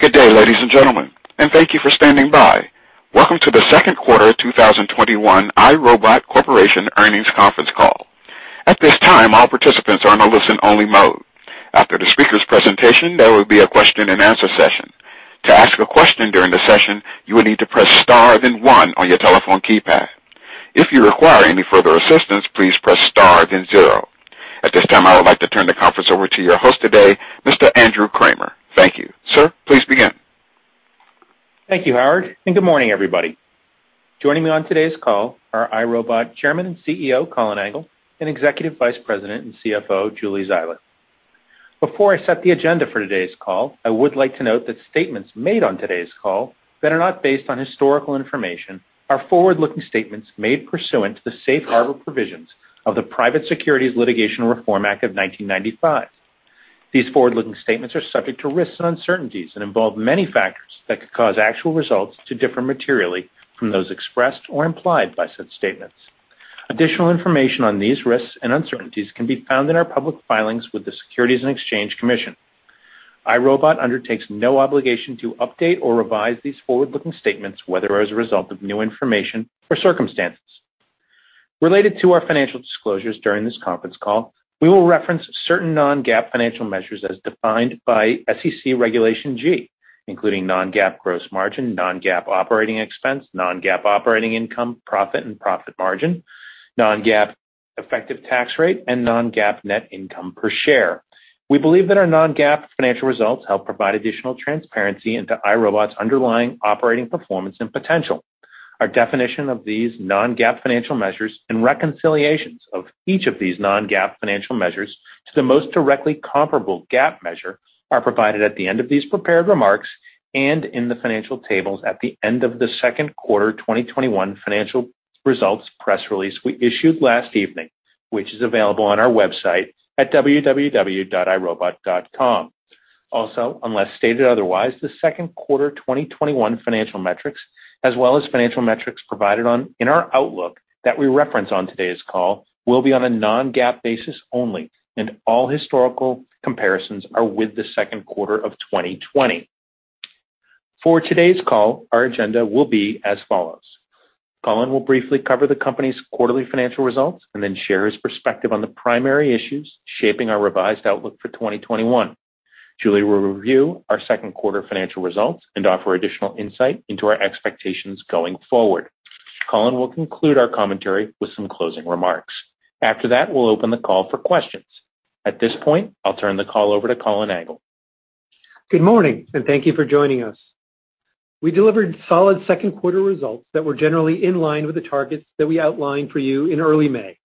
Good day, ladies and gentlemen, and thank you for standing by. Welcome to the second quarter 2021 iRobot Corporation earnings conference call. At this time, all participants are in a listen only mode. After the speaker's presentation, there will be a question and answer session. To ask a question during the session, you will need to press star then one on your telephone keypad. If you require any further assistance, please press star then zero. At this time, I would like to turn the conference over to your host today, Mr. Andrew Kramer. Thank you. Sir, please begin. Thank you, Howard, and good morning, everybody. Joining me on today's call are iRobot Chairman and CEO, Colin Angle, and Executive Vice President and CFO, Julie Zeiler. Before I set the agenda for today's call, I would like to note that statements made on today's call that are not based on historical information are forward-looking statements made pursuant to the safe harbor provisions of the Private Securities Litigation Reform Act of 1995. These forward-looking statements are subject to risks and uncertainties and involve many factors that could cause actual results to differ materially from those expressed or implied by such statements. Additional information on these risks and uncertainties can be found in our public filings with the Securities and Exchange Commission. iRobot undertakes no obligation to update or revise these forward-looking statements, whether as a result of new information or circumstances. Related to our financial disclosures during this conference call, we will reference certain non-GAAP financial measures as defined by SEC Regulation G, including non-GAAP gross margin, non-GAAP operating expense, non-GAAP operating income, profit and profit margin, non-GAAP effective tax rate, and non-GAAP net income per share. We believe that our non-GAAP financial results help provide additional transparency into iRobot's underlying operating performance and potential. Our definition of these non-GAAP financial measures and reconciliations of each of these non-GAAP financial measures to the most directly comparable GAAP measure are provided at the end of these prepared remarks and in the financial tables at the end of the second quarter 2021 financial results press release we issued last evening, which is available on our website at www.irobot.com. Also, unless stated otherwise, the second quarter 2021 financial metrics, as well as financial metrics provided in our outlook that we reference on today's call, will be on a non-GAAP basis only, and all historical comparisons are with the second quarter of 2020. For today's call, our agenda will be as follows. Colin will briefly cover the company's quarterly financial results and then share his perspective on the primary issues shaping our revised outlook for 2021. Julie will review our second quarter financial results and offer additional insight into our expectations going forward. Colin will conclude our commentary with some closing remarks. After that, we'll open the call for questions. At this point, I'll turn the call over to Colin Angle. Good morning, and thank you for joining us. We delivered solid second quarter results that were generally in line with the targets that we outlined for you in early May,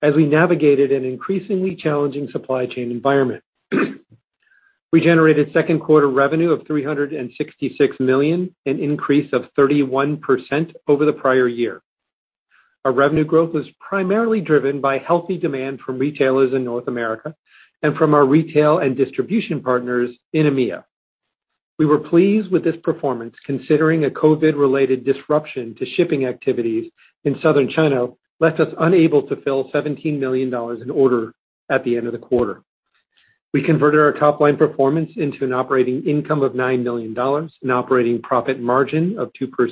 as we navigated an increasingly challenging supply chain environment. We generated second quarter revenue of $366 million, an increase of 31% over the prior year. Our revenue growth was primarily driven by healthy demand from retailers in North America and from our retail and distribution partners in EMEA. We were pleased with this performance, considering a COVID-related disruption to shipping activities in southern China left us unable to fill $17 million in orders at the end of the quarter. We converted our top-line performance into an operating income of $9 million, an operating profit margin of 2%,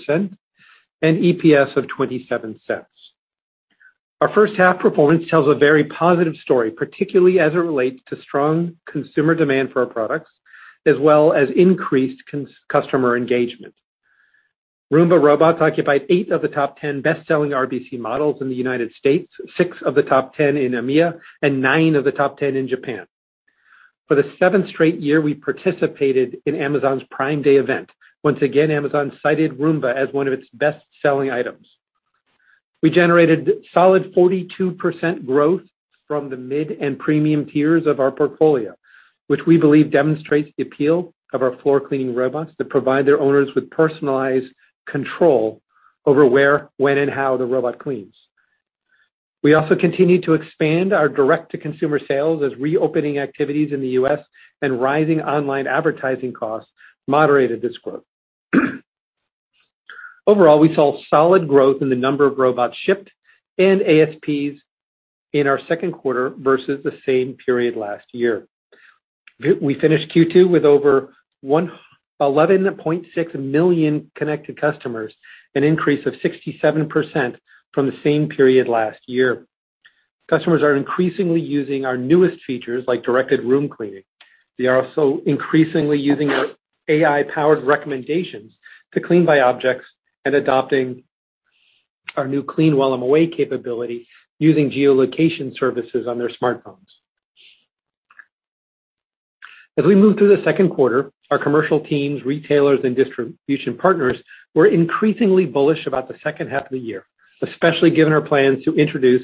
and EPS of $0.27. Our first half performance tells a very positive story, particularly as it relates to strong consumer demand for our products, as well as increased customer engagement. Roomba robots occupied eight of the top 10 best-selling RVC models in the United States, six of the top 10 in EMEA, and nine of the top 10 in Japan. For the 7th straight year, we participated in Amazon's Prime Day event. Once again, Amazon cited Roomba as one of its best-selling items. We generated solid 42% growth from the mid and premium tiers of our portfolio, which we believe demonstrates the appeal of our floor cleaning robots that provide their owners with personalized control over where, when, and how the robot cleans. We also continue to expand our direct-to-consumer sales as reopening activities in the U.S. and rising online advertising costs moderated this growth. Overall, we saw solid growth in the number of robots shipped and ASPs in our second quarter versus the same period last year. We finished Q2 with over 11.6 million connected customers, an increase of 67% from the same period last year. Customers are increasingly using our newest features like directed room cleaning. They are also increasingly using our AI-powered recommendations to clean by objects and adopting our new Clean While I'm Away capability using geolocation services on their smartphones. As we move through the second quarter, our commercial teams, retailers, and distribution partners were increasingly bullish about the second half of the year, especially given our plans to introduce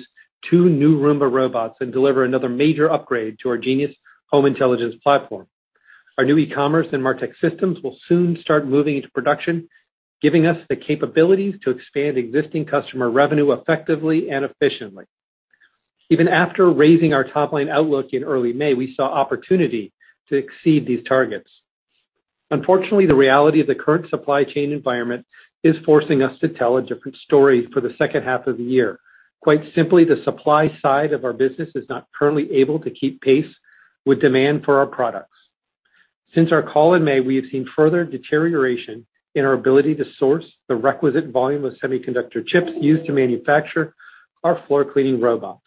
two new Roomba robots and deliver another major upgrade to our Genius home intelligence platform. Our new e-commerce and MarTech systems will soon start moving into production, giving us the capabilities to expand existing customer revenue effectively and efficiently. Even after raising our top-line outlook in early May, we saw opportunity to exceed these targets. Unfortunately, the reality of the current supply chain environment is forcing us to tell a different story for the second half of the year. Quite simply, the supply side of our business is not currently able to keep pace with demand for our products. Since our call in May, we have seen further deterioration in our ability to source the requisite volume of semiconductor chips used to manufacture our floor cleaning robots.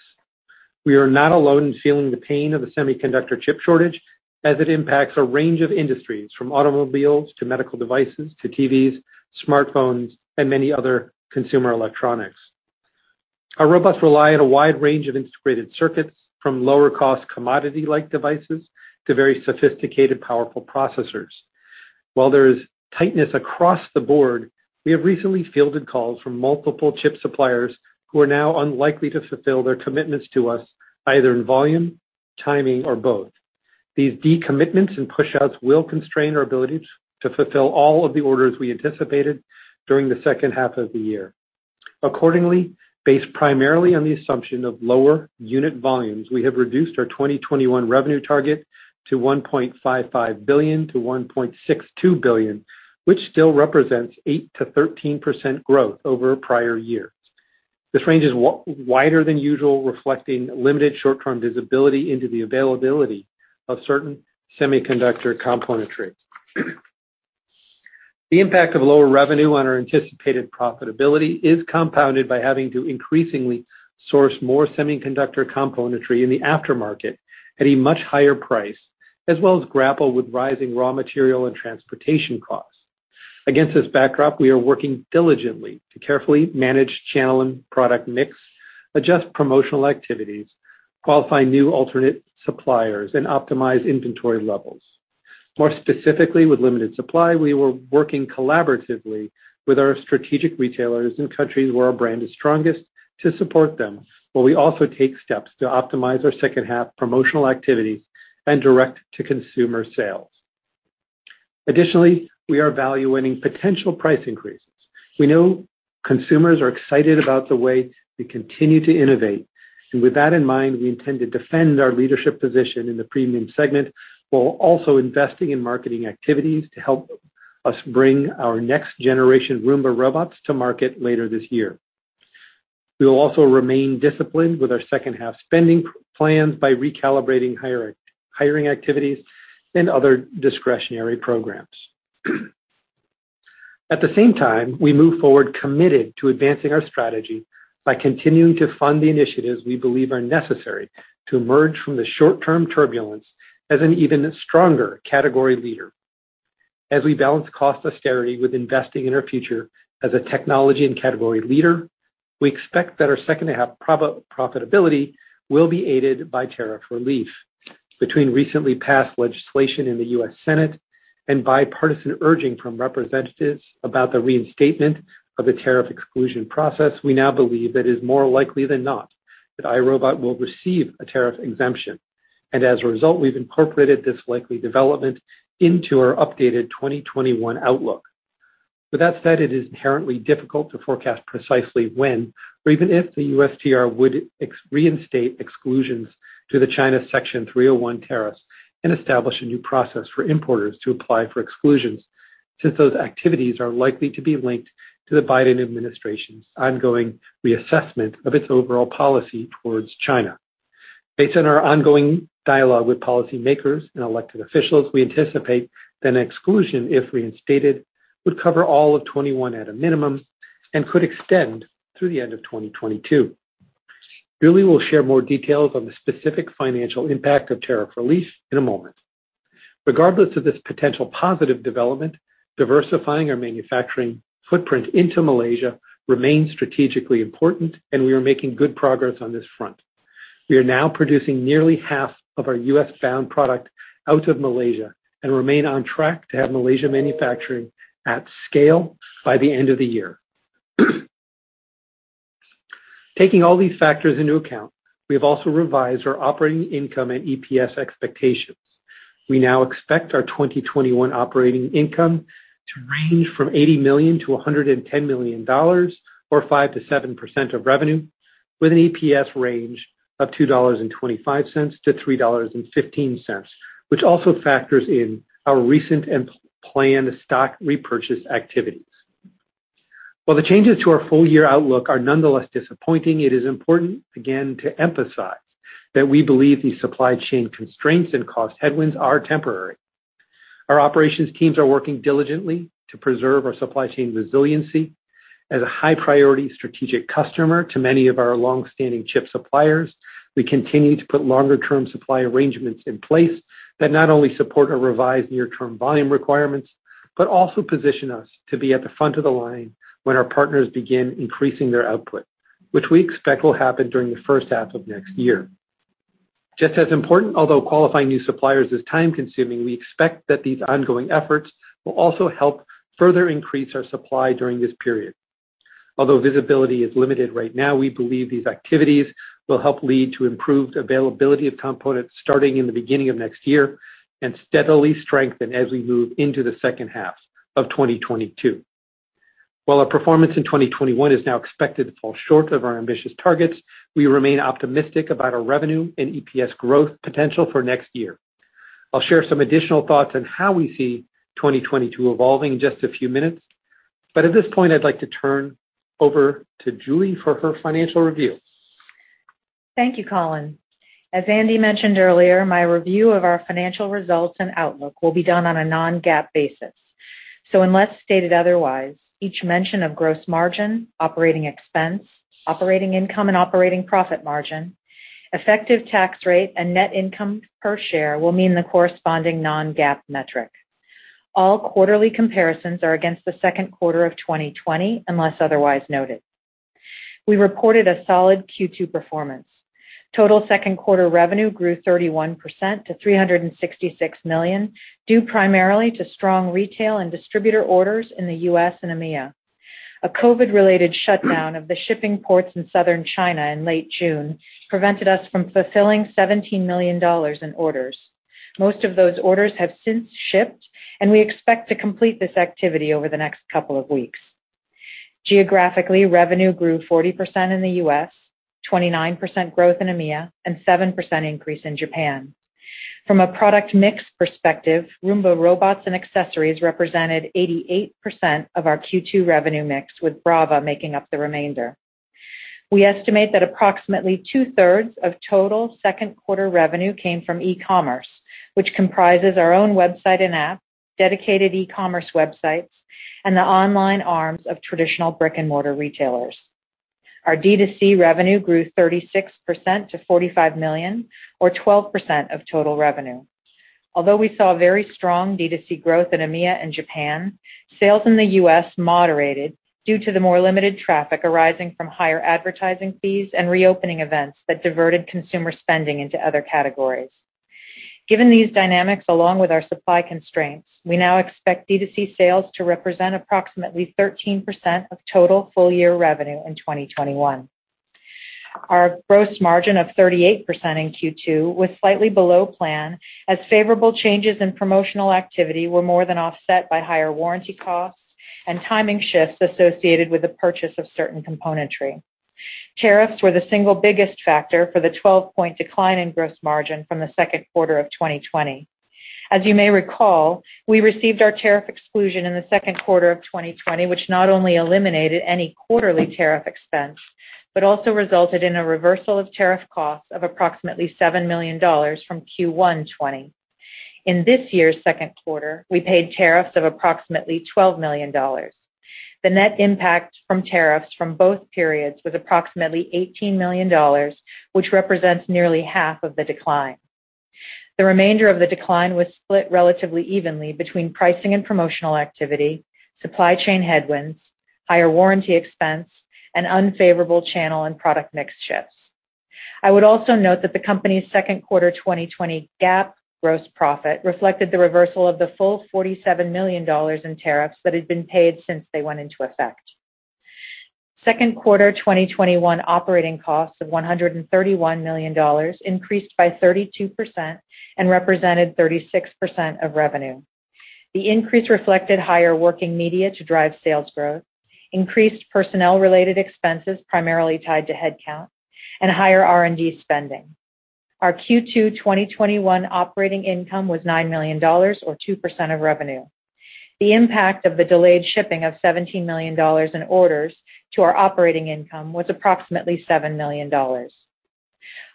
We are not alone in feeling the pain of the semiconductor chip shortage as it impacts a range of industries, from automobiles to medical devices to TVs, smartphones, and many other consumer electronics. Our robots rely on a wide range of integrated circuits, from lower cost commodity-like devices to very sophisticated, powerful processors. While there is tightness across the board, we have recently fielded calls from multiple chip suppliers who are now unlikely to fulfill their commitments to us, either in volume, timing, or both. These decommitments and pushouts will constrain our abilities to fulfill all of the orders we anticipated during the second half of the year. Accordingly, based primarily on the assumption of lower unit volumes, we have reduced our 2021 revenue target to $1.55 billion-$1.62 billion, which still represents 8%-13% growth over prior years. This range is wider than usual, reflecting limited short-term visibility into the availability of certain semiconductor componentry. The impact of lower revenue on our anticipated profitability is compounded by having to increasingly source more semiconductor componentry in the aftermarket at a much higher price, as well as grapple with rising raw material and transportation costs. Against this backdrop, we are working diligently to carefully manage channel and product mix, adjust promotional activities, qualify new alternate suppliers, and optimize inventory levels. More specifically, with limited supply, we were working collaboratively with our strategic retailers in countries where our brand is strongest to support them, while we also take steps to optimize our second half promotional activities and direct to consumer sales. Additionally, we are evaluating potential price increases. We know consumers are excited about the way we continue to innovate, and with that in mind, we intend to defend our leadership position in the premium segment while also investing in marketing activities to help us bring our next generation Roomba robots to market later this year. We will also remain disciplined with our second half spending plans by recalibrating hiring activities and other discretionary programs. At the same time, we move forward committed to advancing our strategy by continuing to fund the initiatives we believe are necessary to emerge from the short-term turbulence as an even stronger category leader. As we balance cost austerity with investing in our future as a technology and category leader, we expect that our second half profitability will be aided by tariff relief. Between recently passed legislation in the U.S. Senate and bipartisan urging from representatives about the reinstatement of the tariff exclusion process, we now believe that it is more likely than not that iRobot will receive a tariff exemption, and as a result, we've incorporated this likely development into our updated 2021 outlook. With that said, it is inherently difficult to forecast precisely when or even if the USTR would reinstate exclusions to the China Section 301 tariffs and establish a new process for importers to apply for exclusions, since those activities are likely to be linked to the Biden administration's ongoing reassessment of its overall policy towards China. Based on our ongoing dialogue with policymakers and elected officials, we anticipate that an exclusion, if reinstated, would cover all of 2021 at a minimum and could extend through the end of 2022. Julie will share more details on the specific financial impact of tariff relief in a moment. Regardless of this potential positive development, diversifying our manufacturing footprint into Malaysia remains strategically important, and we are making good progress on this front. We are now producing nearly half of our U.S.-bound product out of Malaysia and remain on track to have Malaysia manufacturing at scale by the end of the year. Taking all these factors into account, we have also revised our operating income and EPS expectations. We now expect our 2021 operating income to range from $80 million-$110 million, or 5%-7% of revenue, with an EPS range of $2.25-$3.15, which also factors in our recent and planned stock repurchase activities. While the changes to our full year outlook are nonetheless disappointing, it is important again to emphasize that we believe these supply chain constraints and cost headwinds are temporary. Our operations teams are working diligently to preserve our supply chain resiliency. As a high priority strategic customer to many of our longstanding chip suppliers, we continue to put longer term supply arrangements in place that not only support our revised near term volume requirements, but also position us to be at the front of the line when our partners begin increasing their output, which we expect will happen during the first half of next year. Just as important, although qualifying new suppliers is time-consuming, we expect that these ongoing efforts will also help further increase our supply during this period. Although visibility is limited right now, we believe these activities will help lead to improved availability of components starting in the beginning of next year and steadily strengthen as we move into the second half of 2022. While our performance in 2021 is now expected to fall short of our ambitious targets, we remain optimistic about our revenue and EPS growth potential for next year. I'll share some additional thoughts on how we see 2022 evolving in just a few minutes, but at this point, I'd like to turn over to Julie for her financial review. Thank you, Colin. As Andy mentioned earlier, my review of our financial results and outlook will be done on a non-GAAP basis. Unless stated otherwise, each mention of gross margin, operating expense, operating income, and operating profit margin, effective tax rate, and net income per share will mean the corresponding non-GAAP metric. All quarterly comparisons are against the second quarter of 2020, unless otherwise noted. We reported a solid Q2 performance. Total second quarter revenue grew 31% to $366 million, due primarily to strong retail and distributor orders in the U.S. and EMEA. A COVID-related shutdown of the shipping ports in southern China in late June prevented us from fulfilling $17 million in orders. Most of those orders have since shipped, and we expect to complete this activity over the next couple of weeks. Geographically, revenue grew 40% in the U.S., 29% growth in EMEA, and 7% increase in Japan. From a product mix perspective, Roomba robots and accessories represented 88% of our Q2 revenue mix, with Braava making up the remainder. We estimate that approximately 2/3 of total second quarter revenue came from e-commerce, which comprises our own website and app, dedicated e-commerce websites, and the online arms of traditional brick-and-mortar retailers. Our D2C revenue grew 36% to $45 million, or 12% of total revenue. Although we saw very strong D2C growth in EMEA and Japan, sales in the U.S. moderated due to the more limited traffic arising from higher advertising fees and reopening events that diverted consumer spending into other categories. Given these dynamics, along with our supply constraints, we now expect D2C sales to represent approximately 13% of total full-year revenue in 2021. Our gross margin of 38% in Q2 was slightly below plan, as favorable changes in promotional activity were more than offset by higher warranty costs and timing shifts associated with the purchase of certain componentry. Tariffs were the single biggest factor for the 12-point decline in gross margin from the second quarter of 2020. As you may recall, we received our tariff exclusion in the second quarter of 2020, which not only eliminated any quarterly tariff expense, but also resulted in a reversal of tariff costs of approximately $7 million from Q1 2020. In this year's second quarter, we paid tariffs of approximately $12 million. The net impact from tariffs from both periods was approximately $18 million, which represents nearly half of the decline. The remainder of the decline was split relatively evenly between pricing and promotional activity, supply chain headwinds, higher warranty expense, and unfavorable channel and product mix shifts. I would also note that the company's second quarter 2020 GAAP gross profit reflected the reversal of the full $47 million in tariffs that had been paid since they went into effect. Second quarter 2021 operating costs of $131 million increased by 32% and represented 36% of revenue. The increase reflected higher working media to drive sales growth, increased personnel-related expenses, primarily tied to headcount, and higher R&D spending. Our Q2 2021 operating income was $9 million, or 2% of revenue. The impact of the delayed shipping of $17 million in orders to our operating income was approximately $7 million.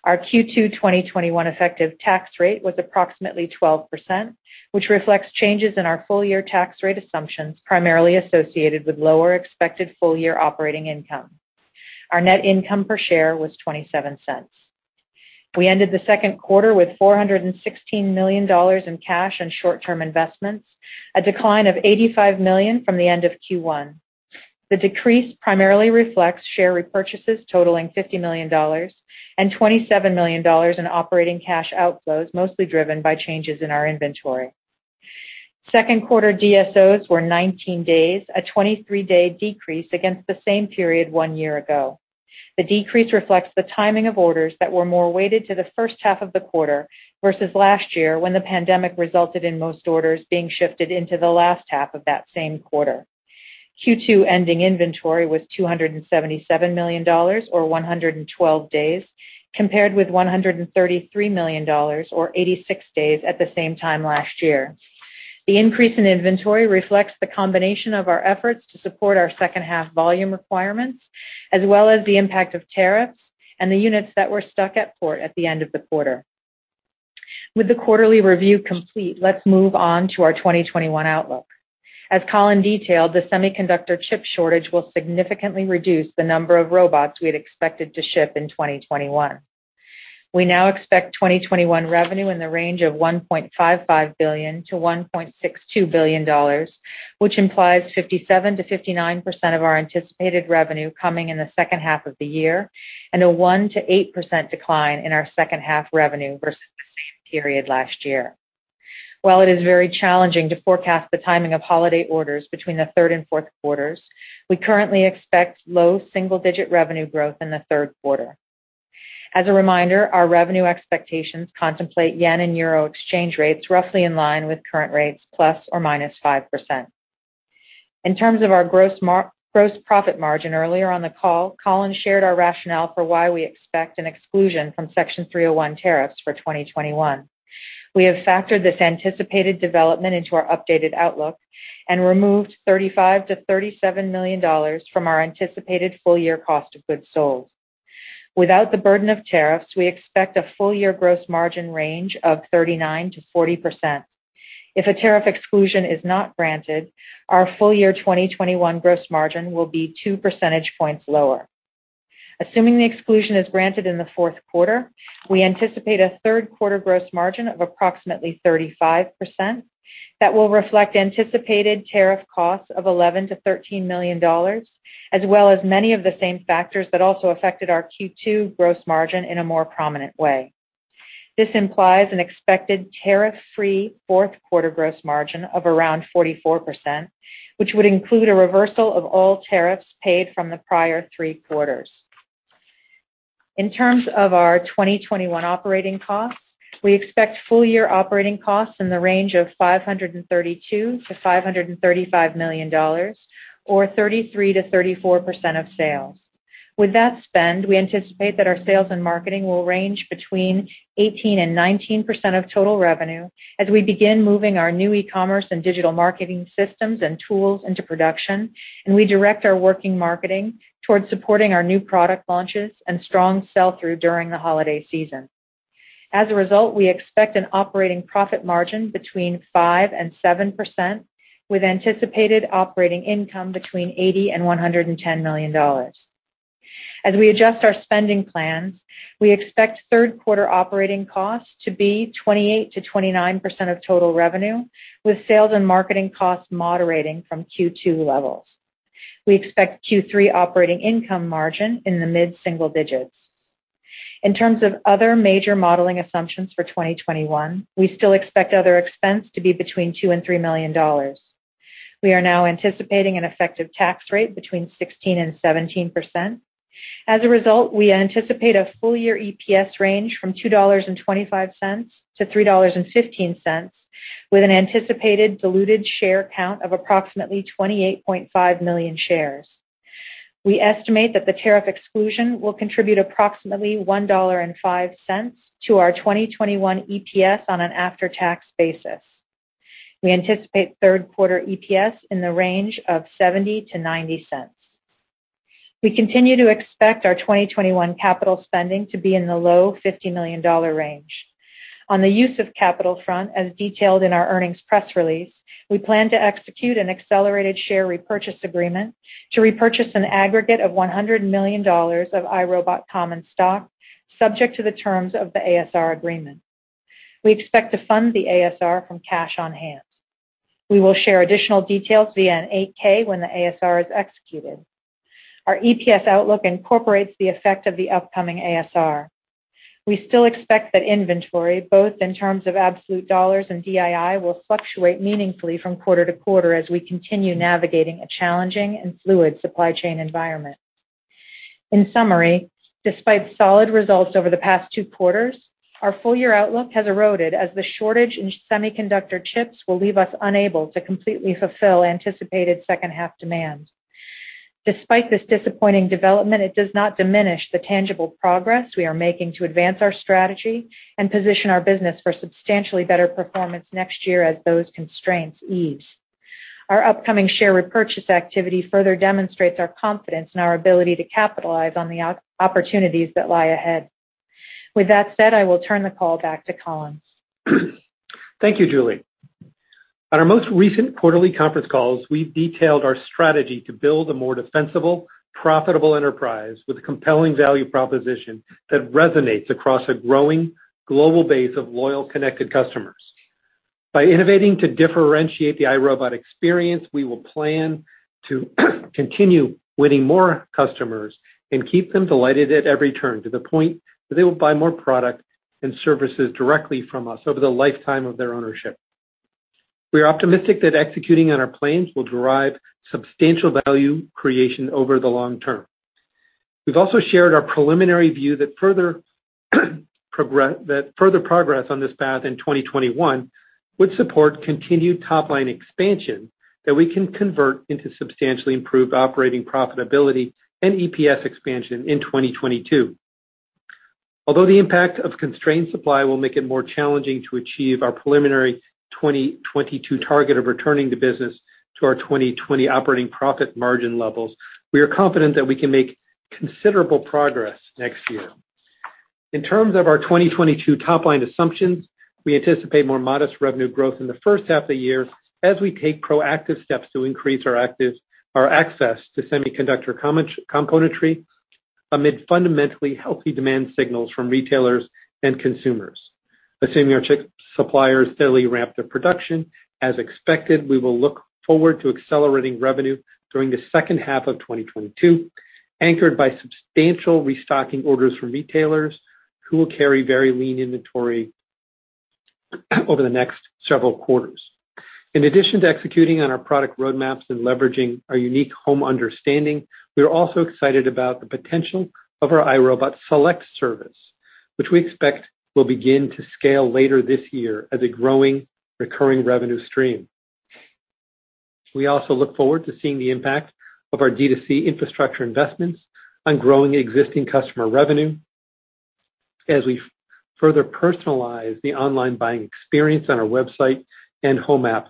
Our Q2 2021 effective tax rate was approximately 12%, which reflects changes in our full-year tax rate assumptions, primarily associated with lower expected full-year operating income. Our net income per share was $0.27. We ended the second quarter with $416 million in cash and short-term investments, a decline of $85 million from the end of Q1. The decrease primarily reflects share repurchases totaling $50 million and $27 million in operating cash outflows, mostly driven by changes in our inventory. Second quarter DSOs were 19 days, a 23-day decrease against the same period one year ago. The decrease reflects the timing of orders that were more weighted to the first half of the quarter versus last year, when the pandemic resulted in most orders being shifted into the last half of that same quarter. Q2 ending inventory was $277 million, or 112 days, compared with $133 million, or 86 days, at the same time last year. The increase in inventory reflects the combination of our efforts to support our second half volume requirements, as well as the impact of tariffs and the units that were stuck at port at the end of the quarter. With the quarterly review complete, let's move on to our 2021 outlook. As Colin detailed, the semiconductor chip shortage will significantly reduce the number of robots we had expected to ship in 2021. We now expect 2021 revenue in the range of $1.55 billion-$1.62 billion, which implies 57%-59% of our anticipated revenue coming in the second half of the year, and a 1%-8% decline in our second half revenue versus the same period last year. While it is very challenging to forecast the timing of holiday orders between the third and fourth quarters, we currently expect low single-digit revenue growth in the third quarter. As a reminder, our revenue expectations contemplate yen and euro exchange rates roughly in line with current rates, ±5%. In terms of our gross profit margin, earlier on the call, Colin shared our rationale for why we expect an exclusion from Section 301 tariffs for 2021. We have factored this anticipated development into our updated outlook and removed $35 million-$37 million from our anticipated full-year cost of goods sold. Without the burden of tariffs, we expect a full-year gross margin range of 39%-40%. If a tariff exclusion is not granted, our full-year 2021 gross margin will be 2 percentage points lower. Assuming the exclusion is granted in the fourth quarter, we anticipate a third quarter gross margin of approximately 35%. That will reflect anticipated tariff costs of $11 million-$13 million, as well as many of the same factors that also affected our Q2 gross margin in a more prominent way. This implies an expected tariff-free fourth quarter gross margin of around 44%, which would include a reversal of all tariffs paid from the prior three quarters. In terms of our 2021 operating costs, we expect full-year operating costs in the range of $532 million-$535 million, or 33%-34% of sales. With that spend, we anticipate that our sales and marketing will range between 18% and 19% of total revenue as we begin moving our new e-commerce and digital marketing systems and tools into production, and we direct our working marketing towards supporting our new product launches and strong sell-through during the holiday season. As a result, we expect an operating profit margin between 5% and 7%, with anticipated operating income between $80 million and $110 million. As we adjust our spending plans, we expect third quarter operating costs to be 28%-29% of total revenue, with sales and marketing costs moderating from Q2 levels. We expect Q3 operating income margin in the mid-single digits. In terms of other major modeling assumptions for 2021, we still expect other expense to be between $2 million and $3 million. We are now anticipating an effective tax rate between 16% and 17%. As a result, we anticipate a full-year EPS range from $2.25 to $3.15, with an anticipated diluted share count of approximately 28.5 million shares. We estimate that the tariff exclusion will contribute approximately $1.05 to our 2021 EPS on an after-tax basis. We anticipate third quarter EPS in the range of $0.70 to $0.90. We continue to expect our 2021 capital spending to be in the low $50 million range. On the use of capital front, as detailed in our earnings press release, we plan to execute an accelerated share repurchase agreement to repurchase an aggregate of $100 million of iRobot common stock, subject to the terms of the ASR agreement. We expect to fund the ASR from cash on hand. We will share additional details via an 8-K when the ASR is executed. Our EPS outlook incorporates the effect of the upcoming ASR. We still expect that inventory, both in terms of absolute dollars and DII, will fluctuate meaningfully from quarter-to-quarter as we continue navigating a challenging and fluid supply chain environment. In summary, despite solid results over the past two quarters, our full-year outlook has eroded as the shortage in semiconductor chips will leave us unable to completely fulfill anticipated second-half demand. Despite this disappointing development, it does not diminish the tangible progress we are making to advance our strategy and position our business for substantially better performance next year as those constraints ease. Our upcoming share repurchase activity further demonstrates our confidence in our ability to capitalize on the opportunities that lie ahead. With that said, I will turn the call back to Colin. Thank you, Julie. On our most recent quarterly conference calls, we've detailed our strategy to build a more defensible, profitable enterprise with a compelling value proposition that resonates across a growing global base of loyal, connected customers. By innovating to differentiate the iRobot experience, we will plan to continue winning more customers and keep them delighted at every turn to the point that they will buy more product and services directly from us over the lifetime of their ownership. We are optimistic that executing on our plans will derive substantial value creation over the long term. We've also shared our preliminary view that further progress on this path in 2021 would support continued top-line expansion that we can convert into substantially improved operating profitability and EPS expansion in 2022. Although the impact of constrained supply will make it more challenging to achieve our preliminary 2022 target of returning the business to our 2020 operating profit margin levels, we are confident that we can make considerable progress next year. In terms of our 2022 top-line assumptions, we anticipate more modest revenue growth in the first half of the year as we take proactive steps to increase our access to semiconductor componentry amid fundamentally healthy demand signals from retailers and consumers. Assuming our chip suppliers steadily ramp their production as expected, we will look forward to accelerating revenue during the second half of 2022, anchored by substantial restocking orders from retailers who will carry very lean inventory over the next several quarters. In addition to executing on our product roadmaps and leveraging our unique home understanding, we are also excited about the potential of our iRobot Select service, which we expect will begin to scale later this year as a growing, recurring revenue stream. We also look forward to seeing the impact of our D2C infrastructure investments on growing existing customer revenue. As we further personalize the online buying experience on our website and Home App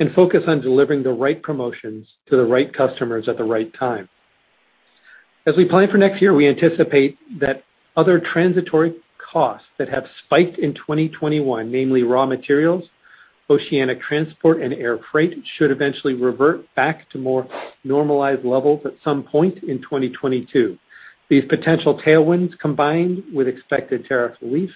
and focus on delivering the right promotions to the right customers at the right time. As we plan for next year, we anticipate that other transitory costs that have spiked in 2021, namely raw materials, oceanic transport, and air freight, should eventually revert back to more normalized levels at some point in 2022. These potential tailwinds, combined with expected tariff relief,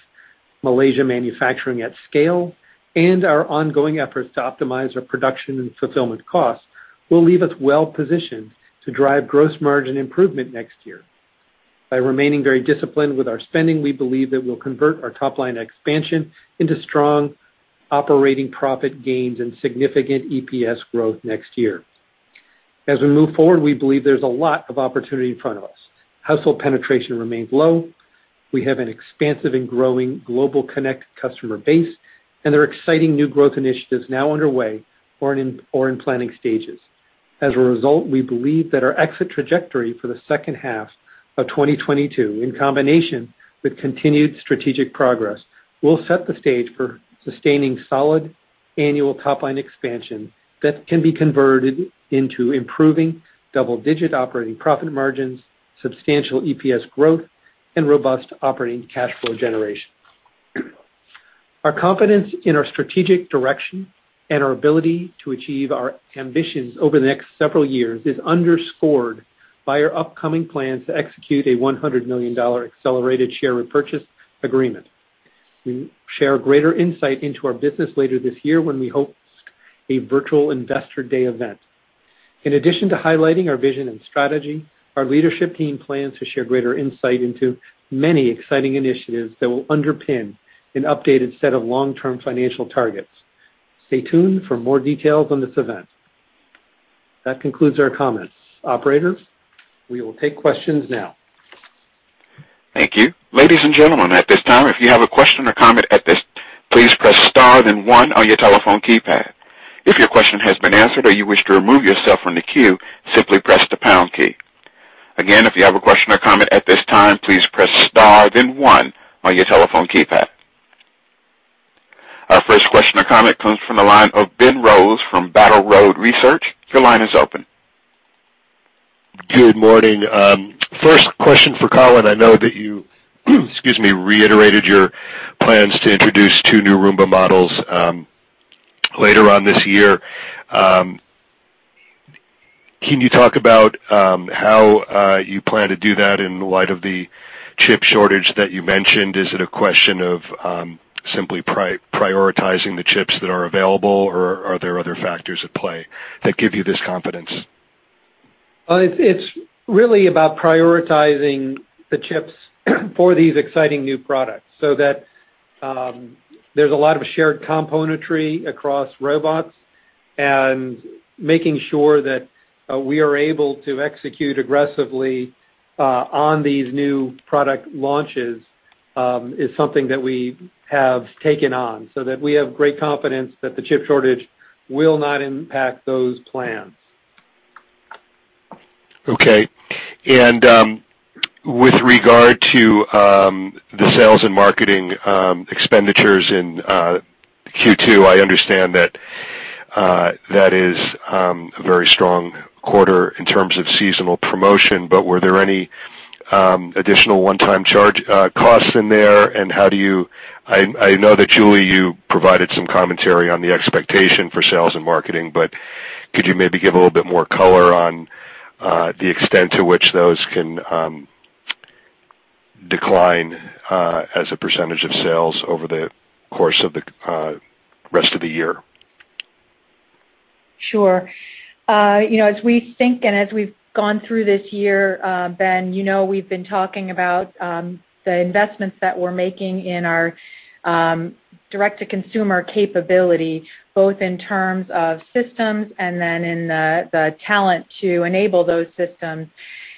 Malaysia manufacturing at scale, and our ongoing efforts to optimize our production and fulfillment costs, will leave us well positioned to drive gross margin improvement next year. By remaining very disciplined with our spending, we believe that we'll convert our top-line expansion into strong operating profit gains and significant EPS growth next year. As we move forward, we believe there's a lot of opportunity in front of us. Household penetration remains low. We have an expansive and growing global connect customer base, and there are exciting new growth initiatives now underway or in planning stages. As a result, we believe that our exit trajectory for the second half of 2022, in combination with continued strategic progress, will set the stage for sustaining solid annual top-line expansion that can be converted into improving double-digit operating profit margins, substantial EPS growth, and robust operating cash flow generation. Our confidence in our strategic direction and our ability to achieve our ambitions over the next several years is underscored by our upcoming plans to execute a $100 million accelerated share repurchase agreement. We share greater insight into our business later this year when we host a virtual Investor Day event. In addition to highlighting our vision and strategy, our leadership team plans to share greater insight into many exciting initiatives that will underpin an updated set of long-term financial targets. Stay tuned for more details on this event. That concludes our comments. Operator, we will take questions now. Thank you. Ladies and gentlemen, at this time, if you have a question or comment, please press star then one on your telephone keypad. If your question has been answered or you wish to remove yourself from the queue, simply press the pound key. If you have a question or comment at this time, please press star then one on your telephone keypad. Our first question or comment comes from the line of Ben Rose from Battle Road Research. Your line is open. Good morning. First question for Colin. I know that you, excuse me, reiterated your plans to introduce two new Roomba models later on this year. Can you talk about how you plan to do that in light of the chip shortage that you mentioned? Is it a question of simply prioritizing the chips that are available, or are there other factors at play that give you this confidence? It's really about prioritizing the chips for these exciting new products, so that there's a lot of shared componentry across robots, and making sure that we are able to execute aggressively on these new product launches is something that we have taken on, so that we have great confidence that the chip shortage will not impact those plans. Okay. With regard to the sales and marketing expenditures in Q2, I understand that that is a very strong quarter in terms of seasonal promotion, but were there any additional one-time charge costs in there? I know that, Julie, you provided some commentary on the expectation for sales and marketing, but could you maybe give a little bit more color on the extent to which those can decline as a percentage of sales over the course of the rest of the year? Sure. As we think and as we've gone through this year, Ben, you know we've been talking about the investments that we're making in our direct-to-consumer capability, both in terms of systems and then in the talent to enable those systems.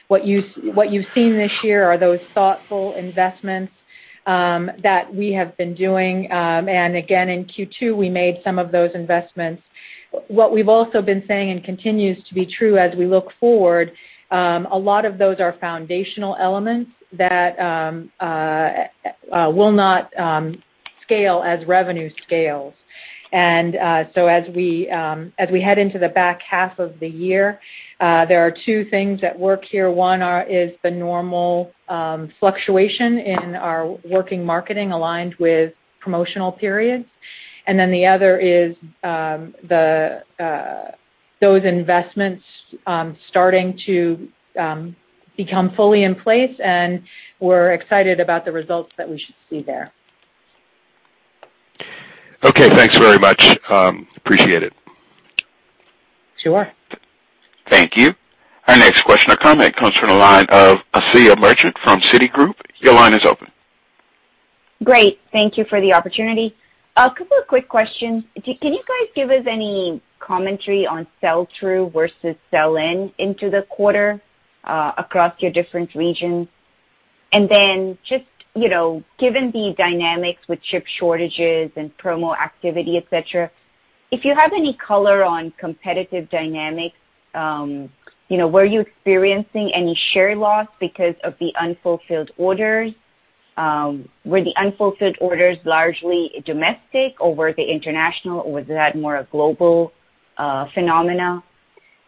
What you've seen this year are those thoughtful investments that we have been doing. In Q2, we made some of those investments. What we've also been saying and continues to be true as we look forward, a lot of those are foundational elements that will not scale as revenue scales. As we head into the back half of the year, there are two things at work here. One is the normal fluctuation in our working marketing aligned with promotional periods, and then the other is those investments starting to become fully in place, and we're excited about the results that we should see there. Okay, thanks very much. Appreciate it. Sure. Thank you. Our next question or comment comes from the line of Asiya Merchant from Citigroup. Your line is open. Great. Thank you for the opportunity. A couple of quick questions. Can you guys give us any commentary on sell-through versus sell-in into the quarter, across your different regions? Then just given the dynamics with chip shortages and promo activity, et cetera. If you have any color on competitive dynamics, were you experiencing any share loss because of the unfulfilled orders? Were the unfulfilled orders largely domestic, or were they international, or was that more a global phenomena?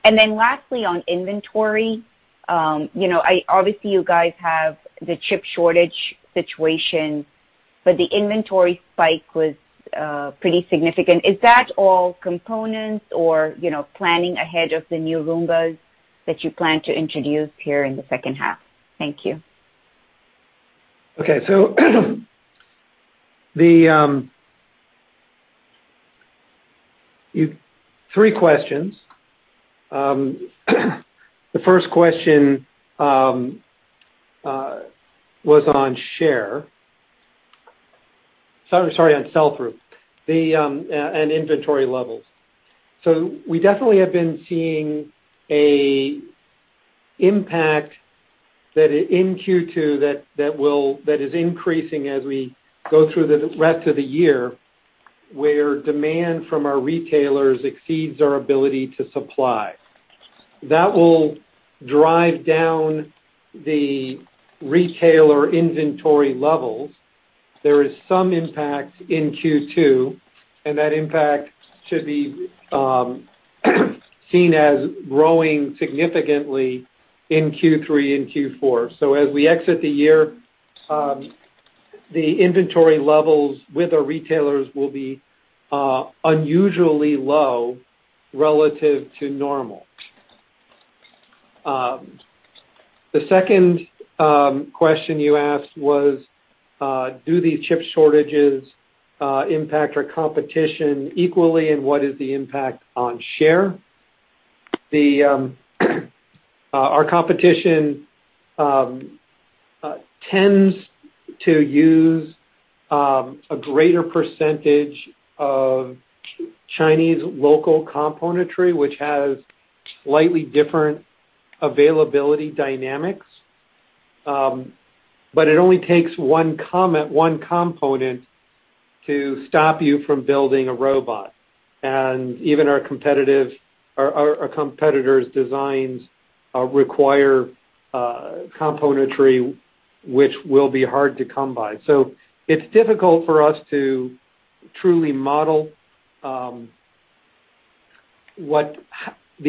Then lastly, on inventory, obviously you guys have the chip shortage situation, but the inventory spike was pretty significant. Is that all components or planning ahead of the new Roombas that you plan to introduce here in the second half? Thank you. Okay. Three questions. The first question was on share. Sorry, on sell-through and inventory levels. We definitely have been seeing a impact in Q2 that is increasing as we go through the rest of the year, where demand from our retailers exceeds our ability to supply. That will drive down the retailer inventory levels. There is some impact in Q2, and that impact should be seen as growing significantly in Q3 and Q4. As we exit the year, the inventory levels with our retailers will be unusually low relative to normal. The second question you asked was, do these chip shortages impact our competition equally, and what is the impact on share? Our competition tends to use a greater percentage of Chinese local componentry, which has slightly different availability dynamics. It only takes one component to stop you from building a robot. Even our competitors' designs require componentry which will be hard to come by. It's difficult for us to truly model the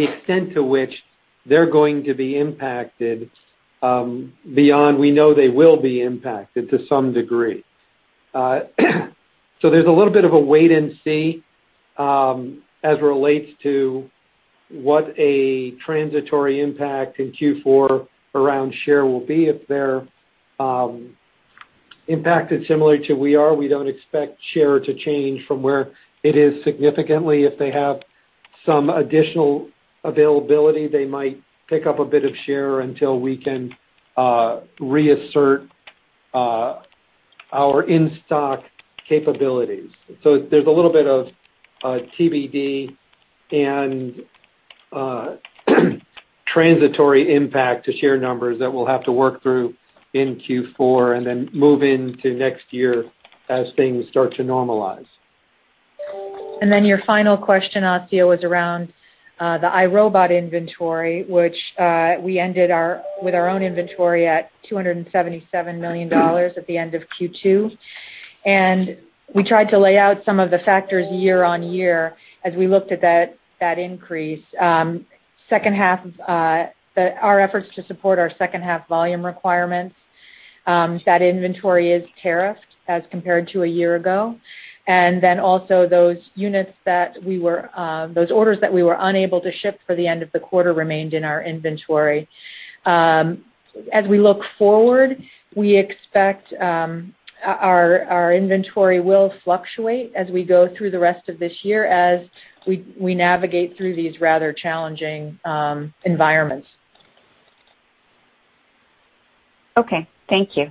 extent to which they're going to be impacted, beyond we know they will be impacted to some degree. There's a little bit of a wait and see, as relates to what a transitory impact in Q4 around share will be. If they're impacted similarly to we are, we don't expect share to change from where it is significantly. If they have some additional availability, they might pick up a bit of share until we can reassert our in-stock capabilities. There's a little bit of TBD and transitory impact to share numbers that we'll have to work through in Q4 and then move into next year as things start to normalize. Your final question, Asiya, was around the iRobot inventory, which we ended with our own inventory at $277 million at the end of Q2. We tried to lay out some of the factors year-on-year as we looked at that increase. Our efforts to support our second half volume requirements, that inventory is tariffed as compared to a year ago. Also those orders that we were unable to ship for the end of the quarter remained in our inventory. As we look forward, we expect our inventory will fluctuate as we go through the rest of this year as we navigate through these rather challenging environments. Okay. Thank you.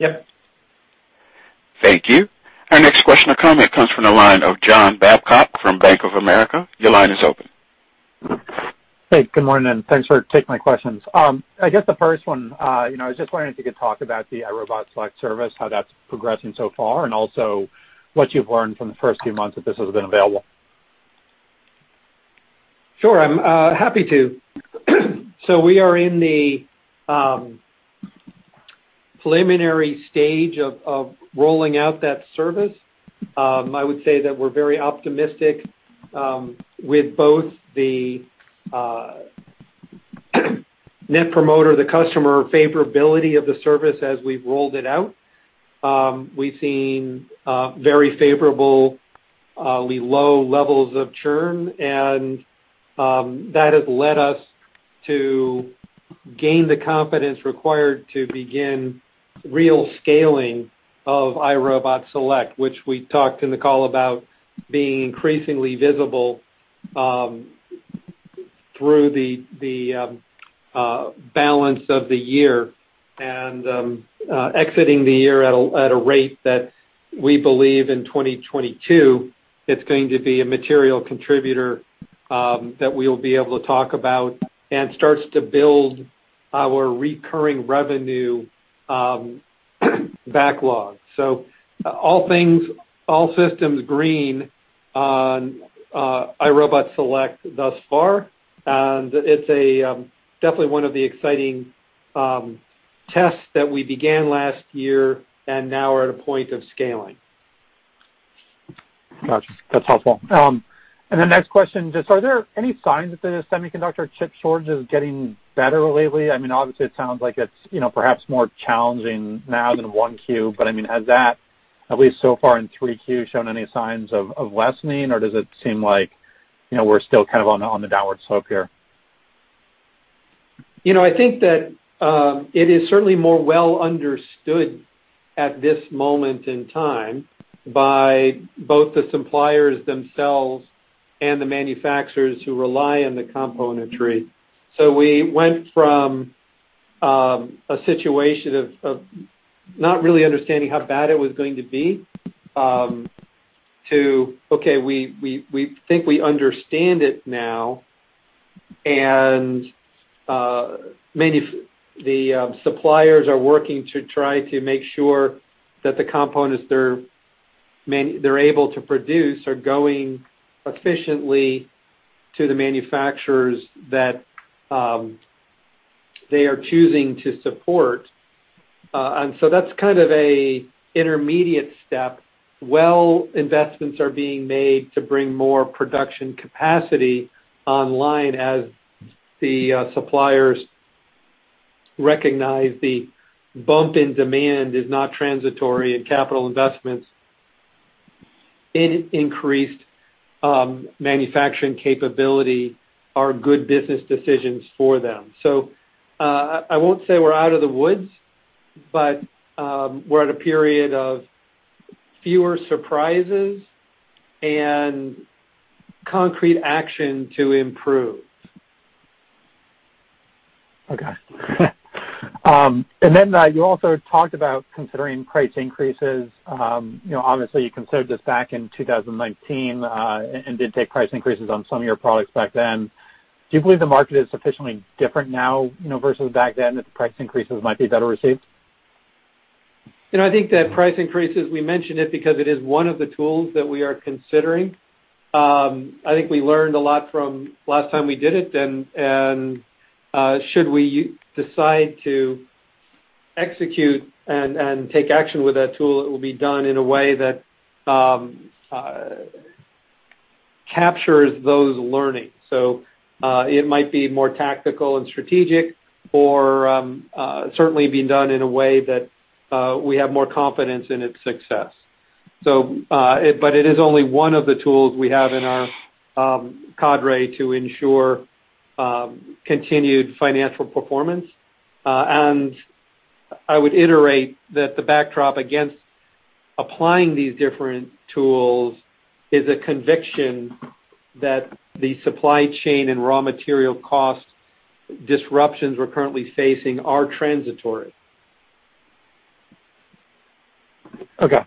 Yep. Thank you. Our next question or comment comes from the line of John Babcock from Bank of America. Your line is open. Hey, good morning, and thanks for taking my questions. I guess the first one, I was just wondering if you could talk about the iRobot Select service, how that's progressing so far, and also what you've learned from the first few months that this has been available. Sure, I'm happy to. We are in the preliminary stage of rolling out that service. I would say that we're very optimistic with both the net promoter, the customer favorability of the service as we've rolled it out. We've seen very favorably low levels of churn, and that has led us to gain the confidence required to begin real scaling of iRobot Select, which we talked in the call about being increasingly visible through the balance of the year and exiting the year at a rate that we believe in 2022, it's going to be a material contributor that we'll be able to talk about and starts to build our recurring revenue backlog. All systems green on iRobot Select thus far. It's definitely one of the exciting tests that we began last year and now we're at a point of scaling. Gotcha. That's helpful. The next question, just are there any signs that the semiconductor chip shortage is getting better lately? Obviously, it sounds like it's perhaps more challenging now than 1Q, but has that, at least so far in 3Q, shown any signs of lessening, or does it seem like we're still on the downward slope here? I think that it is certainly more well understood at this moment in time by both the suppliers themselves and the manufacturers who rely on the componentry. We went from a situation of not really understanding how bad it was going to be, to, okay, we think we understand it now and the suppliers are working to try to make sure that the components they're able to produce are going efficiently to the manufacturers that they are choosing to support. That's kind of a intermediate step, while investments are being made to bring more production capacity online as the suppliers recognize the bump in demand is not transitory and capital investments in increased manufacturing capability are good business decisions for them. I won't say we're out of the woods, but we're at a period of fewer surprises and concrete action to improve. Okay. You also talked about considering price increases. Obviously, you considered this back in 2019, and did take price increases on some of your products back then. Do you believe the market is sufficiently different now, versus back then, that the price increases might be better received? I think that price increases, we mention it because it is one of the tools that we are considering. I think we learned a lot from last time we did it and should we decide to execute and take action with that tool, it will be done in a way that captures those learnings. It might be more tactical and strategic or certainly being done in a way that we have more confidence in its success. It is only one of the tools we have in our cadre to ensure continued financial performance. I would iterate that the backdrop against applying these different tools is a conviction that the supply chain and raw material cost disruptions we're currently facing are transitory. Okay.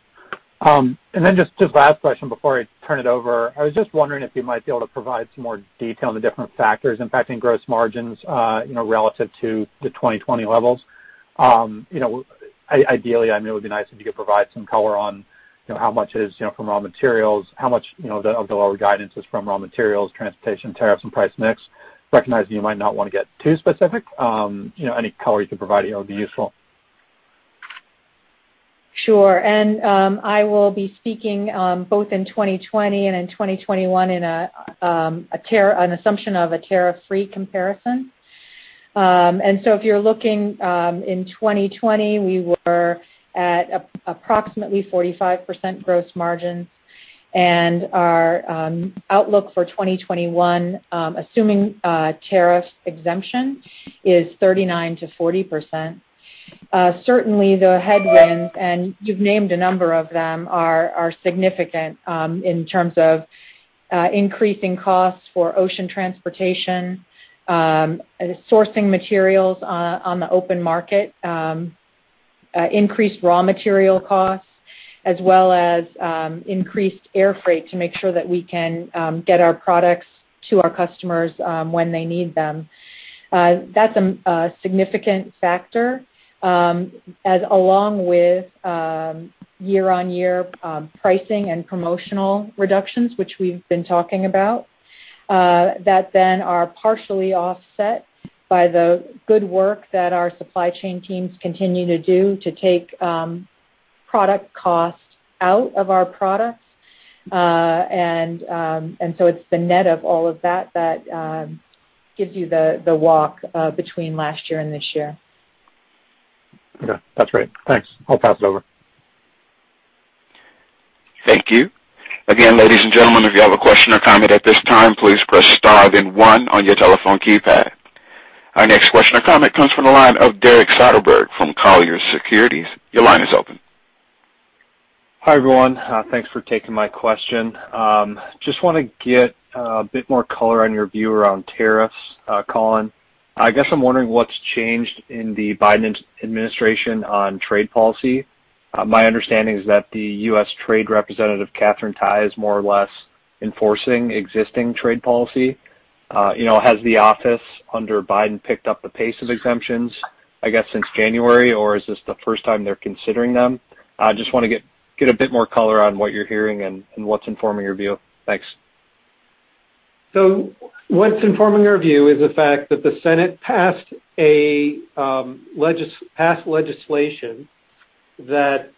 Just last question before I turn it over. I was just wondering if you might be able to provide some more detail on the different factors impacting gross margins relative to the 2020 levels. Ideally, it would be nice if you could provide some color on how much is from raw materials, how much of the lower guidance is from raw materials, transportation, tariffs, and price mix? Recognizing you might not want to get too specific, any color you can provide here would be useful. Sure. I will be speaking both in 2020 and in 2021 in an assumption of a tariff-free comparison. If you're looking, in 2020, we were at approximately 45% gross margins, and our outlook for 2021, assuming tariff exemption, is 39%-40%. Certainly, the headwinds, and you've named a number of them, are significant in terms of increasing costs for ocean transportation, sourcing materials on the open market, increased raw material costs, as well as increased air freight to make sure that we can get our products to our customers when they need them. That's a significant factor, as along with year-on-year pricing and promotional reductions, which we've been talking about, that then are partially offset by the good work that our supply chain teams continue to do to take product costs out of our products. It's the net of all of that gives you the walk between last year and this year. Okay. That's great. Thanks. I'll pass it over. Thank you. Again, ladies and gentlemen, if you have a question and comment at this time, please press star then one on your telephone keypad. Our next question or comment comes from the line of Derek Soderberg from Colliers Securities. Hi, everyone. Thanks for taking my question. Just want to get a bit more color on your view around tariffs, Colin. I guess I'm wondering what's changed in the Biden administration on trade policy. My understanding is that the U.S. Trade Representative, Katherine Tai, is more or less enforcing existing trade policy. Has the office under Biden picked up the pace of exemptions, I guess, since January? Is this the first time they're considering them? Just want to get a bit more color on what you're hearing and what's informing your view. Thanks. What's informing our view is the fact that the Senate passed legislation that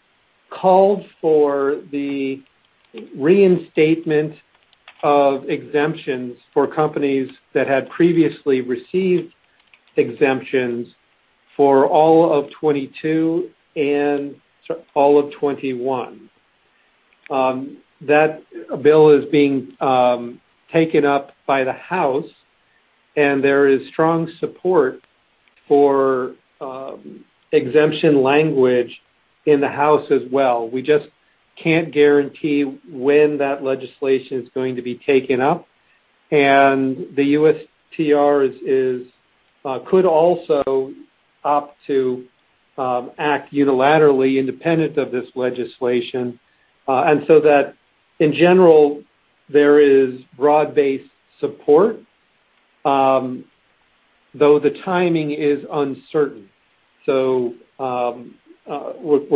called for the reinstatement of exemptions for companies that had previously received exemptions for all of 2022 and all of 2021. That bill is being taken up by the House, and there is strong support for exemption language in the House as well. We just can't guarantee when that legislation's going to be taken up. The USTR could also opt to act unilaterally independent of this legislation. That, in general, there is broad-based support, though the timing is uncertain. We're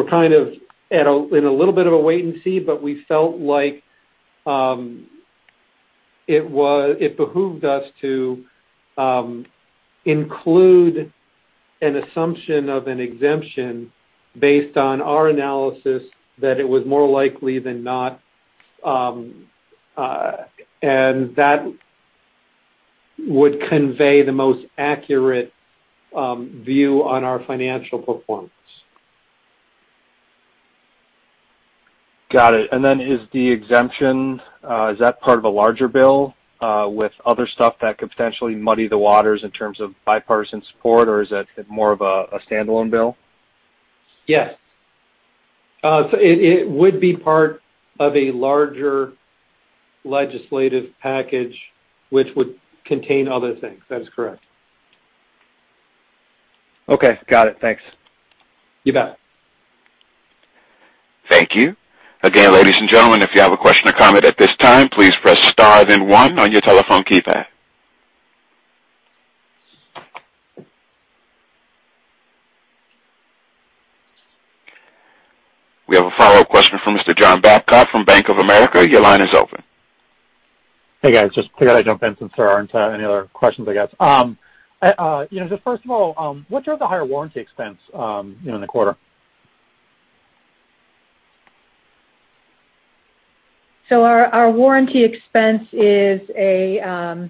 kind of in a little bit of a wait and see, but we felt like it behooved us to include an assumption of an exemption based on our analysis that it was more likely than not, and that would convey the most accurate view on our financial performance. Got it. Is the exemption part of a larger bill with other stuff that could potentially muddy the waters in terms of bipartisan support, or is it more of a standalone bill? Yes. It would be part of a larger legislative package which would contain other things. That is correct. Okay. Got it. Thanks. You bet. Thank you. Again, ladies and gentlemen, if you have a question or comment at this time, please press star then one on your telephone keypad. We have a follow-up question from Mr. John Babcock from Bank of America. Your line is open. Hey, guys. Just figured I'd jump in since there aren't any other questions, I guess. Just first of all, what drove the higher warranty expense in the quarter? Our warranty expense is a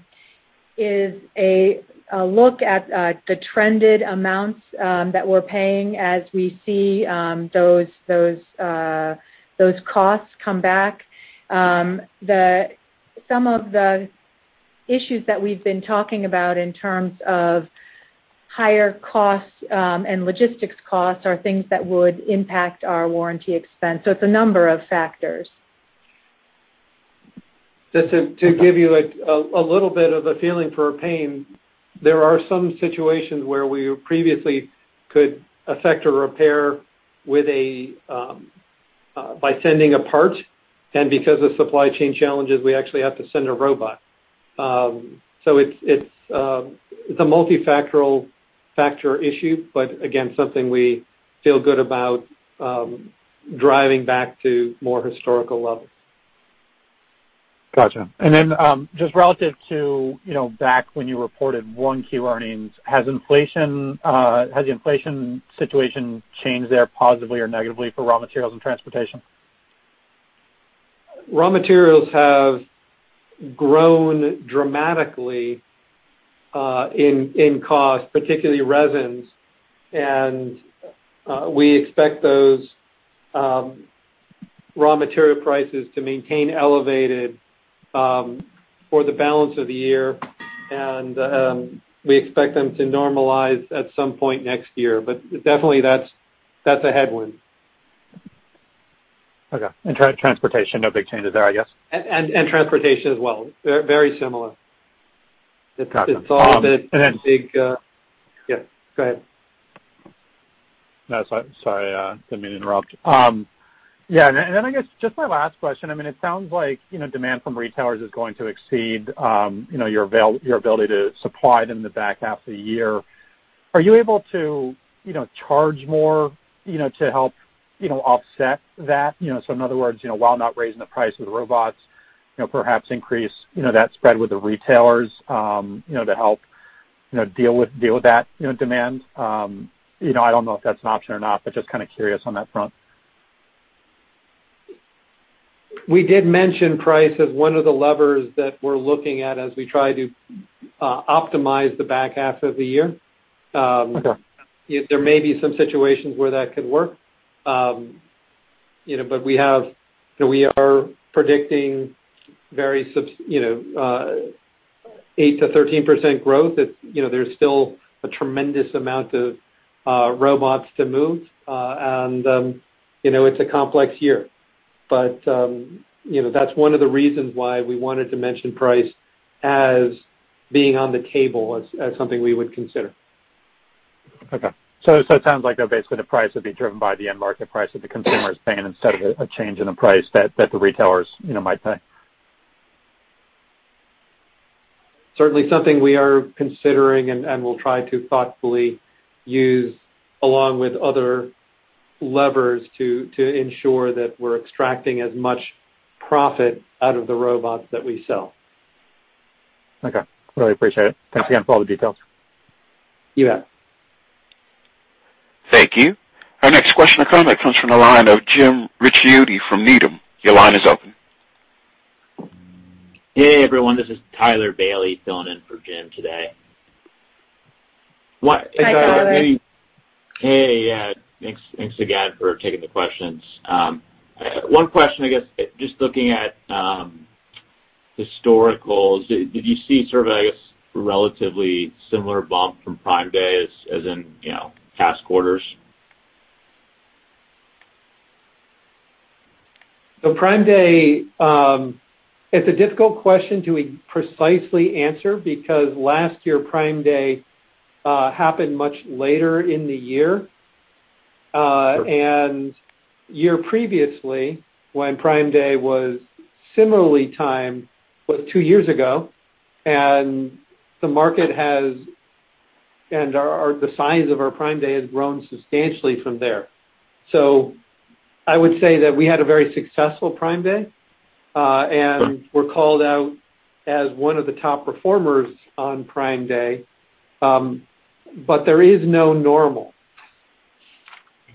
look at the trended amounts that we're paying as we see those costs come back. Some of the issues that we've been talking about in terms of higher costs and logistics costs are things that would impact our warranty expense. It's a number of factors. Just to give you a little bit of a feeling for our pain, there are some situations where we previously could effect a repair by sending a part, and because of supply chain challenges, we actually have to send a robot. It's a multifactorial factor issue, but again, something we feel good about driving back to more historical levels. Gotcha. Just relative to back when you reported 1Q earnings, has the inflation situation changed there positively or negatively for raw materials and transportation? Raw materials have grown dramatically in cost, particularly resins, and we expect those raw material prices to maintain elevated for the balance of the year, and we expect them to normalize at some point next year. Definitely that's a headwind. Okay. transportation, no big changes there, I guess. Transportation as well. Very similar. Got you. It's all a bit big. Yeah, go ahead. No, sorry. Didn't mean to interrupt. I guess just my last question, it sounds like demand from retailers is going to exceed your ability to supply them in the back half of the year. Are you able to charge more to help offset that? In other words, while not raising the price of the robots, perhaps increase that spread with the retailers, to help deal with that demand. I don't know if that's an option or not, just kind of curious on that front. We did mention price as one of the levers that we're looking at as we try to optimize the back half of the year. Okay. There may be some situations where that could work. We are predicting 8%-13% growth. There's still a tremendous amount of robots to move, and it's a complex year. That's one of the reasons why we wanted to mention price as being on the table as something we would consider. It sounds like basically the price would be driven by the end market price that the consumer is paying instead of a change in the price that the retailers might pay. Certainly something we are considering and we'll try to thoughtfully use along with other levers to ensure that we're extracting as much profit out of the robots that we sell. Okay. Really appreciate it. Thanks again for all the details. You bet. Thank you. Our next question or comment comes from the line of Jim Ricchiuti from Needham. Your line is open. Hey, everyone, this is Tyler Bailey filling in for Jim today. Hi, Tyler. Hi, Tyler. Hey. Thanks again for taking the questions. One question, I guess, just looking at historicals, did you see sort of, I guess, relatively similar bump from Prime Day as in past quarters? Prime Day, it's a difficult question to precisely answer because last year Prime Day happened much later in the year. Year previously, when Prime Day was similarly timed, was two years ago, and the size of our Prime Day has grown substantially from there. I would say that we had a very successful Prime Day, and were called out as one of the top performers on Prime Day. There is no normal,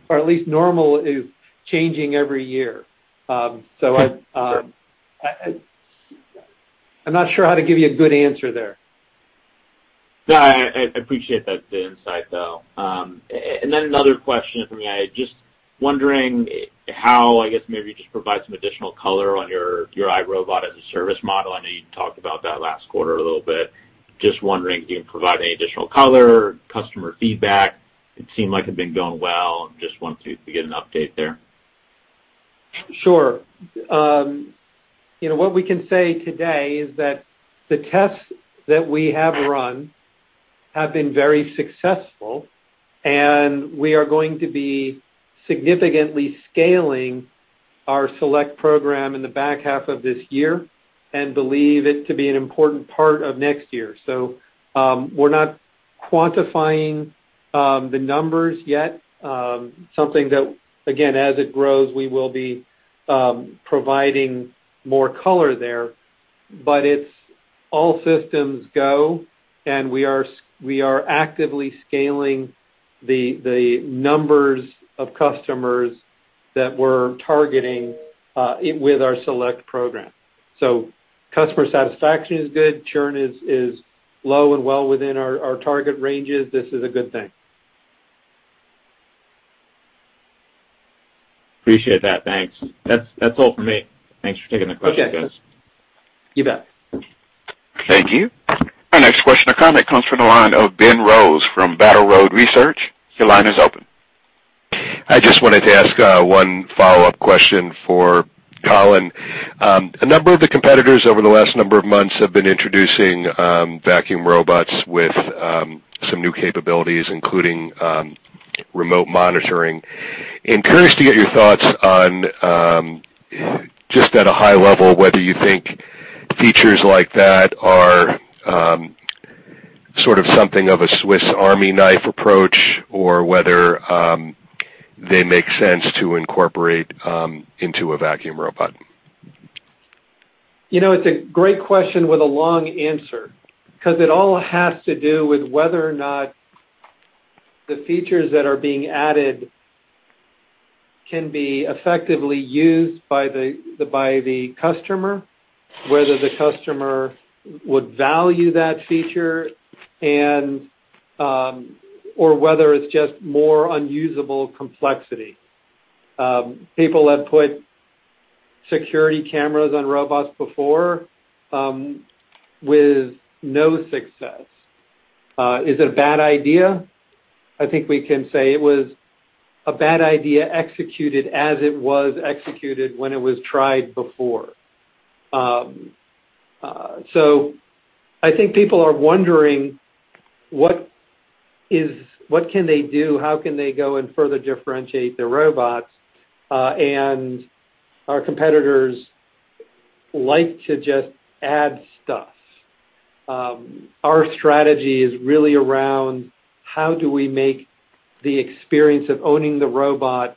or at least normal is changing every year. I'm not sure how to give you a good answer there. No, I appreciate the insight, though. Another question from me, I'm just wondering how, I guess maybe just provide some additional color on your iRobot as a service model. I know you talked about that last quarter a little bit. Just wondering, do you provide any additional color, customer feedback? It seemed like it'd been going well. Just wanted to get an update there. Sure. What we can say today is that the tests that we have run have been very successful, and we are going to be significantly scaling our Select program in the back half of this year and believe it to be an important part of next year. We're not quantifying the numbers yet. Something that, again, as it grows, we will be providing more color there, but it's all systems go, and we are actively scaling the numbers of customers that we're targeting with our Select program. Customer satisfaction is good. Churn is low and well within our target ranges. This is a good thing. Appreciate that. Thanks. That's all from me. Thanks for taking the question. Okay. You bet. Thank you. Our next question or comment comes from the line of Ben Rose from Battle Road Research. Your line is open. I just wanted to ask one follow-up question for Colin. A number of the competitors over the last number of months have been introducing vacuum robots with some new capabilities, including remote monitoring. Curious to get your thoughts on, just at a high level, whether you think features like that are sort of something of a Swiss Army knife approach or whether they make sense to incorporate into a vacuum robot? It's a great question with a long answer, because it all has to do with whether or not the features that are being added can be effectively used by the customer, whether the customer would value that feature, or whether it's just more unusable complexity. People have put security cameras on robots before with no success. Is it a bad idea? I think we can say it was a bad idea executed as it was executed when it was tried before. I think people are wondering what can they do, how can they go and further differentiate their robots, and our competitors like to just add stuff. Our strategy is really around how do we make the experience of owning the robot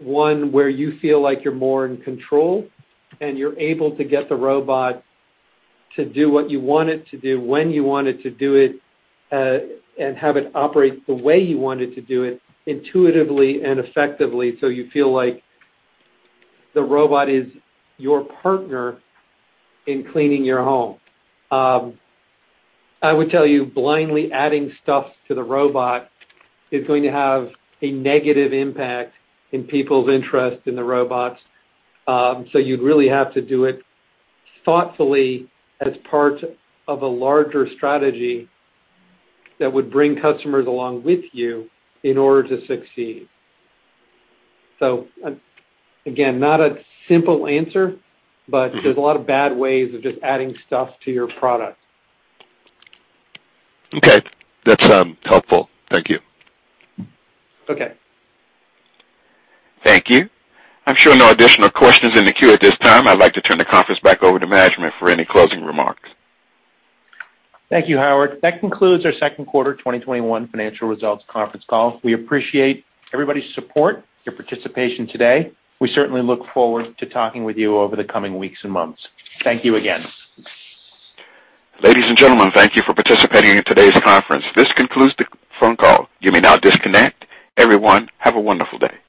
one where you feel like you're more in control, and you're able to get the robot to do what you want it to do, when you want it to do it, and have it operate the way you want it to do it intuitively and effectively, so you feel like the robot is your partner in cleaning your home. I would tell you, blindly adding stuff to the robot is going to have a negative impact in people's interest in the robots. You'd really have to do it thoughtfully as part of a larger strategy that would bring customers along with you in order to succeed. Again, not a simple answer, but there's a lot of bad ways of just adding stuff to your product. Okay. That's helpful. Thank you. Okay. Thank you. I'm showing no additional questions in the queue at this time. I'd like to turn the conference back over to management for any closing remarks. Thank you, Howard. That concludes our second quarter 2021 financial results conference call. We appreciate everybody's support, your participation today. We certainly look forward to talking with you over the coming weeks and months. Thank you again. Ladies and gentlemen, thank you for participating in today's conference. This concludes the phone call. You may now disconnect. Everyone, have a wonderful day.